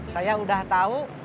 saya udah tau